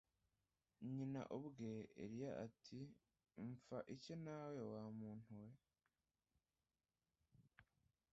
nyina abwira eliya ati mpfa iki nawe wa muntuwe.